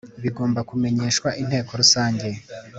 bigomba kumenyeshwa Inteko Rusange